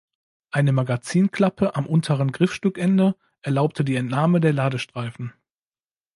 Eine Magazinklappe am unteren Griffstückende erlaubte die Entnahme der Ladestreifen.